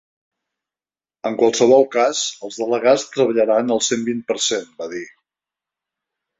En qualsevol cas els delegats treballaran al cent vint per cent, va dir.